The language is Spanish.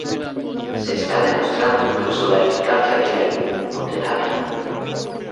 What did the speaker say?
Se está demostrando incluso la eficacia de la inmunoterapia.